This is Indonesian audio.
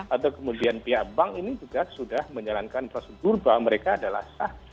atau kemudian pihak bank ini juga sudah menyarankan prosedur bahwa mereka adalah sah